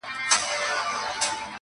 خدای درکړي دي غښتلي وزرونه.!